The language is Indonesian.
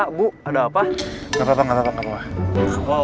aku masih harus sembunyikan masalah lo andin dari mama